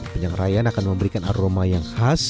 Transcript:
penyangraian akan memberikan aroma yang khas